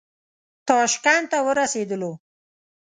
تاشکند ته ورسېدلو.